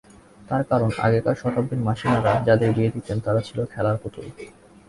তার কারণ, আগেকার শতাব্দীর মাসিমারা যাদের বিয়ে দিতেন তারা ছিল খেলার পুতুল।